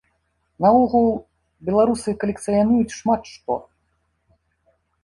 Наогул, беларусы калекцыянуюць шмат што.